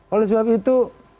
oleh sebab itu